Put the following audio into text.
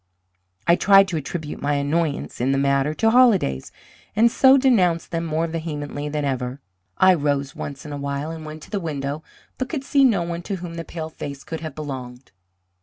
I tried to attribute my annoyance in the matter to holidays, and so denounced them more vehemently than ever. I rose once in a while and went to the window, but could see no one to whom the pale face could have belonged.